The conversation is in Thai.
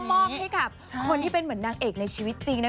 มอบให้กับคนที่เป็นเหมือนนางเอกในชีวิตจริงนะ